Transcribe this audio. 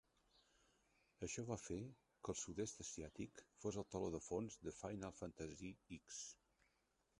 Això va fer que el Sud-est asiàtic fos el teló de fons de "Final Fantasy X".